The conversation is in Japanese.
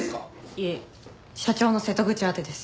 いえ社長の瀬戸口宛てです。